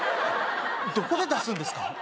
どこで出すんですか？